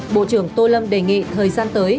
bộ trưởng tô lâm đề nghị thời gian tới